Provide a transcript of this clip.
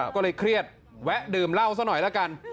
ก็เลยเครียดแวะดื่มเหล้าซะหน่อยละกัน